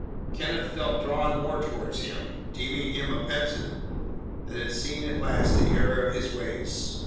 Kenneth felt drawn more towards him, deeming him a penitent that had seen at last the error of his ways.